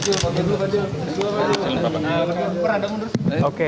terima kasih pak